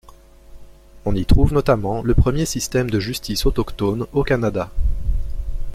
On y trouve notamment le premier système de justice autochtone au Canada.